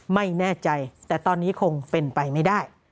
ไม่แน่ใจแต่ตอนนี้คงเป็นไปไม่ได้